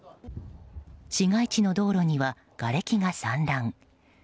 市街地の道路にはがれきが散乱。